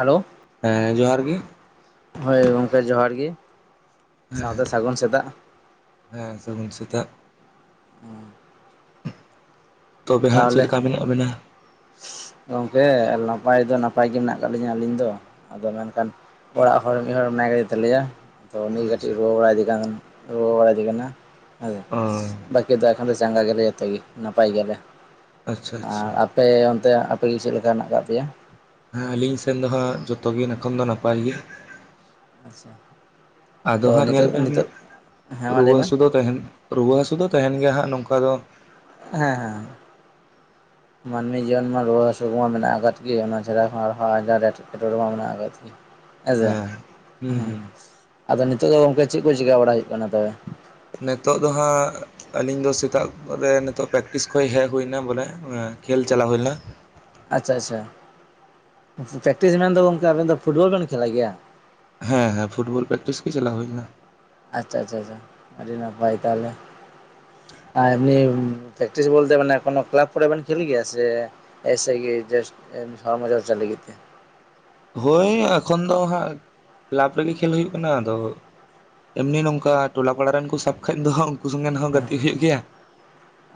Hello ᱦᱮᱸ ᱡᱚᱦᱟᱨ ᱜᱮ ᱾ ᱦᱳᱭ ᱜᱚᱝᱠᱮ ᱡᱚᱦᱟᱨ ᱜᱮ, ᱦᱮᱸ ᱥᱟᱶᱛᱮ ᱥᱟᱹᱜᱩᱱ ᱥᱮᱛᱟᱜ? ᱦᱮᱸ ᱥᱟᱹᱜᱩᱱ ᱥᱮᱛᱟᱜ ᱛᱚᱵᱮ ᱦᱟᱸᱜ ᱪᱮᱫ ᱞᱮᱠᱟ ᱢᱮᱱᱟᱜ ᱵᱮᱱᱟ? ᱜᱚᱝᱠᱮ ᱱᱟᱯᱟᱭ ᱫᱚ ᱱᱟᱯᱟᱭ ᱜᱮ ᱢᱮᱱᱟᱜ ᱟᱠᱟᱫ ᱞᱤᱧᱟ ᱟᱹᱞᱤᱧ ᱫᱚ᱾ ᱟᱫᱚ ᱢᱮᱱᱠᱷᱟᱱ ᱚᱲᱟᱜ ᱦᱚᱲ ᱢᱤᱫ ᱦᱚᱲ ᱢᱮᱱᱟᱭ ᱟᱠᱟᱫ ᱛᱟᱞᱮᱭᱟ᱾ ᱛᱚ ᱩᱱᱤ ᱟᱪᱪᱷᱟ ᱠᱟᱹᱴᱤᱡ ᱨᱩᱣᱟᱹ ᱵᱟᱲᱟᱭᱮᱫᱮ ᱠᱟᱱ ᱨᱩᱣ ᱵᱟᱲᱟᱭᱮᱫᱮ ᱠᱟᱱᱟ ᱦᱮᱥᱮ ᱚ ᱵᱟᱠᱤ ᱫᱚ ᱟᱨᱠᱤ ᱠᱷ ᱫᱚ ᱪᱟᱸᱜᱟ ᱜᱮᱭᱟᱞᱮ ᱡᱚᱛᱚ ᱜᱮ ᱱᱟᱯᱟᱭ ᱜᱮᱭᱟᱞᱮ᱾ ᱟᱪᱪᱷᱟ ᱟᱪᱪᱷᱟ ᱟᱨ ᱟᱯᱮ ᱚᱱᱛᱮ ᱟᱯᱮᱜᱮ ᱪᱮᱫ ᱞᱮᱠᱟ ᱦᱮᱱᱟᱜ ᱟᱠᱟᱫ ᱯᱮᱭᱟ? ᱦᱮᱸ ᱟᱹᱞᱤᱧ ᱥᱮᱱ ᱫᱚ ᱦᱟᱸᱜ ᱡᱚᱛᱚ ᱜᱮ ᱮᱠᱷᱚᱱ ᱫᱚ ᱱᱟᱯᱟᱭ ᱜᱮ᱾ ᱟᱪᱪᱷᱟ ᱟᱫᱚ ᱛᱚ ᱦᱟᱸᱜ ᱧᱮᱞ ᱱᱤᱛᱚᱜ ᱵᱮᱱ, ᱱᱤᱛᱚᱜ ᱦᱮᱸ ᱢᱟ ᱨᱩᱣᱟᱹ ᱞᱟᱹᱭ ᱵᱮᱱ ᱦᱟᱹᱥᱩ ᱫᱚ ᱛᱟᱦᱮᱱ ᱨᱩᱣᱟᱹ ᱦᱟᱹᱥᱩ ᱫᱚ ᱛᱟᱦᱮᱱ ᱜᱮᱭᱟ᱾ ᱦᱟᱸᱜ ᱱᱚᱝᱠᱟ ᱫᱚ ᱦᱮᱸ ᱦᱮᱸ [inaudible] ᱢᱟᱹᱱᱢᱤ ᱡᱤᱭᱚᱱ ᱢᱟ ᱨᱩᱣᱟᱹ ᱦᱟᱹᱥᱩ ᱠᱚᱢᱟ ᱢᱮᱱᱟᱜ ᱟᱠᱟᱫ ᱜᱮ ᱚᱱᱟ ᱪᱷᱟᱰᱟ ᱟᱨᱦᱚᱸ ᱟᱨᱦᱚᱸ ᱟᱡᱟᱨ ᱮᱴᱠᱮᱴᱚᱬᱮ ᱢᱟ ᱢᱮᱱᱟᱜ ᱟᱠᱟᱫ ᱦᱮᱸ ᱥᱮ ᱦᱩᱸ ᱟᱫᱚ ᱱᱤᱛᱚᱜ ᱫᱚ ᱜᱚᱝᱠᱮ ᱪᱮᱫ ᱠᱚ ᱪᱤᱠᱟ ᱵᱟᱲᱟ ᱦᱩᱭᱩᱜ ᱠᱟᱱᱟ ᱛᱚᱵᱮ? ᱱᱤᱛᱚᱫᱚ ᱦᱟᱸᱜ ᱟᱹᱞᱤᱧ ᱫᱚ ᱥᱮᱛᱟᱜ ᱨᱮ ᱱᱤᱛᱚᱜ ᱯᱨᱮᱠᱴᱤᱥ ᱠᱷᱚᱡ ᱦᱮᱡ ᱦᱩᱭ ᱮᱱᱟ ᱵᱚᱞᱮ ᱚᱱᱟ ᱠᱷᱮᱞ ᱪᱟᱞᱟᱣ ᱦᱩᱭ ᱞᱮᱱᱟ, ᱟᱪᱪᱷᱟ ᱟᱪᱪᱷᱟ ᱯᱮᱠᱴᱤᱥ ᱢᱮᱱᱫᱚ ᱜᱚᱝᱠᱮ ᱟᱹᱵᱮᱱ ᱫᱚ ᱯᱷᱩᱴᱵᱚᱞ ᱵᱮᱱ ᱠᱷᱮᱞᱟ ᱜᱮᱭᱟ? ᱦᱮᱸ ᱦᱮᱸ ᱯᱷᱩᱴᱵᱚᱞ ᱯᱮᱠᱴᱤᱥ ᱜᱮ ᱪᱟᱞᱟ ᱦᱩᱭ ᱞᱮᱱᱟ ᱾ ᱟᱪᱪᱷᱟ ᱟᱪᱪᱷᱟ ᱟᱪᱪᱷᱟ ᱟᱹᱰᱤ ᱱᱟᱯᱟᱭ ᱛᱟᱦᱚᱞᱮ ᱾ ᱟᱨ ᱮᱢᱱᱤ ᱯᱨᱠᱴᱤᱥ ᱵᱚᱞᱛᱮ ᱢᱟᱱᱮ ᱠᱳᱱᱳ ᱠᱞᱟᱵᱽ ᱠᱚᱨᱮ ᱵᱮᱱ ᱠᱷᱮᱞ ᱜᱮᱭᱟ ᱥᱮ ᱮᱥᱮ ᱜᱮ ᱡᱟᱥᱴ [unintelligible] ᱞᱟᱜᱤ ᱛᱮ ᱦᱳᱭ ᱮᱠᱷᱚᱱ ᱫᱚ ᱦᱟᱸᱜ ᱠᱟᱹᱞᱟᱵ ᱨᱮᱜᱮ ᱠᱷᱮᱞ ᱦᱩᱭᱩᱜ ᱠᱟᱱᱟ ᱟᱫᱚ ᱮᱢᱱᱤ ᱱᱚᱝᱠᱟ ᱴᱚᱞᱟ ᱯᱟᱲᱟ ᱨᱮᱱ ᱠᱚ ᱥᱟᱵ ᱠᱷᱟᱱᱡ ᱫᱚ ᱩᱱᱠᱩ ᱥᱚᱸᱜᱮᱱ ᱦᱚᱸ ᱜᱟᱛᱮᱜ ᱦᱩᱭᱩᱜ ᱜᱮᱭᱟ᱾